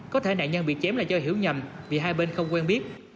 có thể nạn nhân bị chém là do hiểu nhầm vì hai bên không quen biết